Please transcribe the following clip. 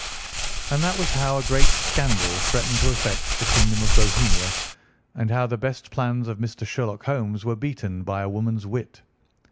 And that was how a great scandal threatened to affect the kingdom of Bohemia, and how the best plans of Mr. Sherlock Holmes were beaten by a woman's wit.